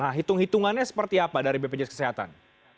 nah hitung hitungannya seperti apa dari bpjs kesehatan